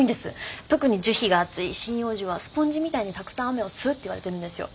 特に樹皮が厚い針葉樹はスポンジみたいにたくさん雨を吸うっていわれてるんですよ。